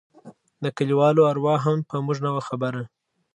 د کليوالو اروا هم په موږ نه وه خبره.